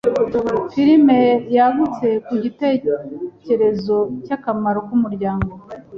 Filime yagutse ku gitekerezo cy'akamaro k'umuryango.